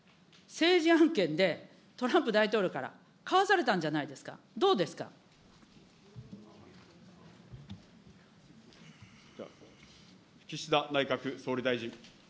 政治案件で、トランプ大統領から買わされたんじゃないですか、ど岸田内閣総理大臣。